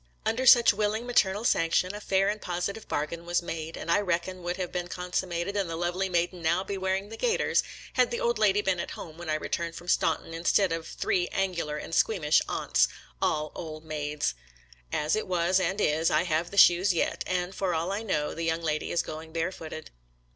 " Under such willing maternal sanc tion, a fair and positive bargain was made; and I reckon would have been consummated and the lovely maiden now be wearing the gaiters, had GETTTSBURG 139 the old lady been at home when I returned from Staunton, instead of three angular and squeam ish aunts — all old maids. As it was and is, I have the shoes yet, and, for all I know, the young lady is going barefooted.